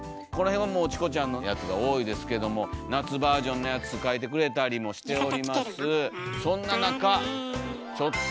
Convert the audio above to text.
この辺はもうチコちゃんのやつが多いですけども夏バージョンのやつ描いてくれたりもしております。